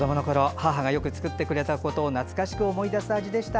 母がよく作ってくれたことを懐かしく思い出す味でした。